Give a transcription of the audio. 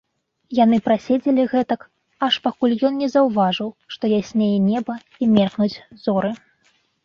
Яны праседзелі гэтак, аж пакуль ён не заўважыў, што яснее неба і меркнуць зоры.